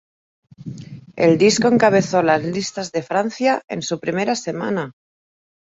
El disco encabezó las listas de Francia en su primera semana.